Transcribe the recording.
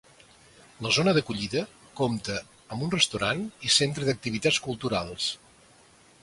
La zona d'acollida compta amb un restaurant i centre d'activitats culturals.